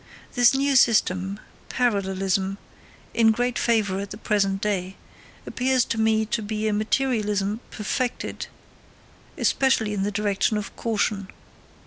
This new system, parallelism, in great favour at the present day, appears to me to be a materialism perfected especially in the direction of caution.